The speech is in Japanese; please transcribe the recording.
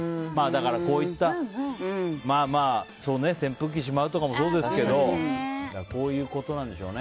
だからこういった扇風機しまうとかもそうですけどこういうことなんでしょうね。